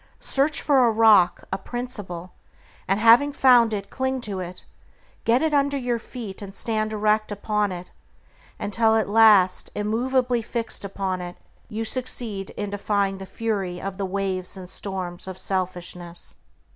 Search for a rock, a principle, and having found it cling to it; get it under your feet and stand erect upon it, until at last, immovably fixed upon it, you succeed in defying the fury of the waves and storms of selfishness.